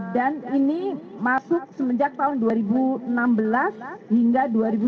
dan ini masuk semenjak tahun dua ribu enam belas hingga dua ribu sembilan belas